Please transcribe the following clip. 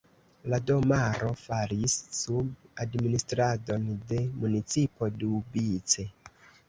La domaro falis sub administradon de municipo Doubice.